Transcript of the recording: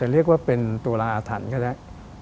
เรียกว่าเป็นตุลาอาถรรพ์ก็ได้